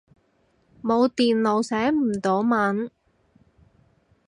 冇電腦，寫唔到文